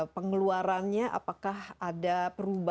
pengeluarannya apakah ada perubahan